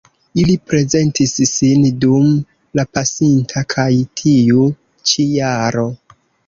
Ili prezentis sin dum la pasinta kaj tiu ĉi jaro.